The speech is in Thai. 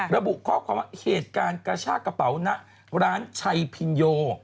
ระบุข้อความว่าเหตุการณ์กระชากระเป๋าณร้านชัยพินโย